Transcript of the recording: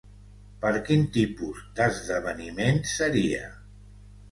Per quin tipus d'esdeveniment seria?